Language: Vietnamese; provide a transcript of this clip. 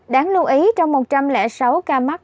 đáng lưu ý trong một trăm linh sáu ca mắc